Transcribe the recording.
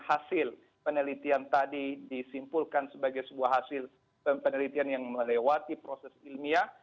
hasil penelitian tadi disimpulkan sebagai sebuah hasil penelitian yang melewati proses ilmiah